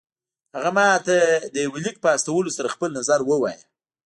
هغه ماته د يوه ليک په استولو سره خپل نظر ووايه.